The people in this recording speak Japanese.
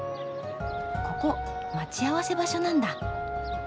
ここ待ち合わせ場所なんだ。